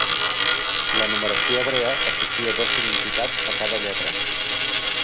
La numeració hebrea associa dos significats a cada lletra.